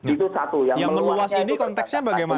itu satu yang meluas ini konteksnya bagaimana